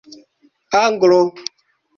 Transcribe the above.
anglo